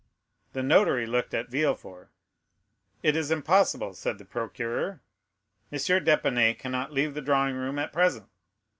The notary looked at Villefort. "It is impossible," said the procureur. "M. d'Épinay cannot leave the drawing room at present."